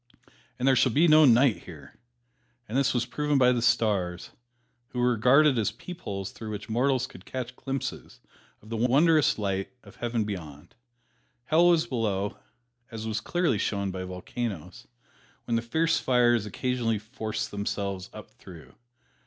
"And there shall be no night there," and this was proven by the stars, which were regarded as peepholes through which mortals could catch glimpses of the wondrous light of Heaven beyond. Hell was below, as was clearly shown by volcanoes, when the fierce fires occasionally forced themselves up through.